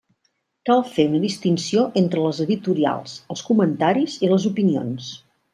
Cal fer una distinció entre les editorials, els comentaris i les opinions.